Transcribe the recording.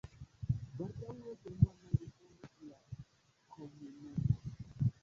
Baldaŭe germanoj refondis la komunumon.